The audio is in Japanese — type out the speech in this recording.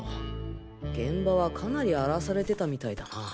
現場はかなり荒らされてたみたいだな。